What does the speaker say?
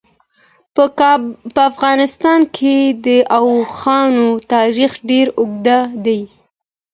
په افغانستان کې د اوښانو تاریخ ډېر اوږد دی.